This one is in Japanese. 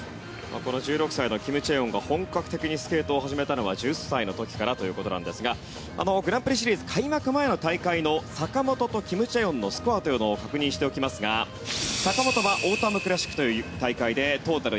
この１６歳のキム・チェヨンが本格的にスケートを始めたのは１０歳の時からということなんですがグランプリシリーズ開幕前の坂本とキム・チェヨンのスコアというのを確認しておきますが坂本はオータム・クラシックという大会でトータル